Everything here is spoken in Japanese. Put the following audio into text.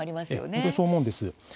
本当にそう思うんです。